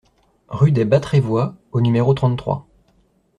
Rue des Bas Trévois au numéro trente-trois